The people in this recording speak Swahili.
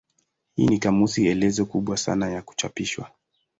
Hii ni kamusi elezo kubwa sana ya kuchapishwa.